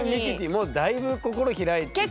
もうだいぶ心開いてるよね。